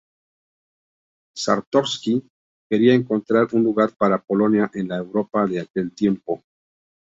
Czartoryski quería encontrar un lugar para Polonia en la Europa de aquel tiempo.